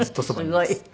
はい。